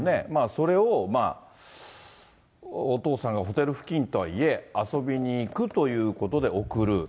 それを、お父さんがホテル付近とはいえ、遊びにいくということで送る。